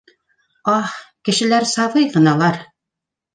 Аһ, кешеләр, сабый ғыналар.